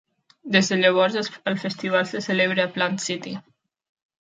Des de llavors, el festival se celebra a Plant City.